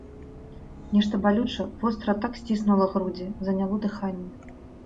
Нешта балюча, востра так сціснула грудзі, заняло дыханне.